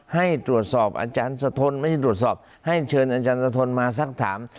ให้ตรวจสอบอาจารย์สะทนไม่ใช่ตรวจสอบให้เชิญอาจารย์สะทนมาสักถาม